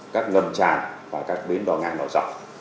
các ngầm tràn và các bến đỏ ngang đỏ dọc